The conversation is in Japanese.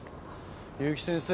結城先生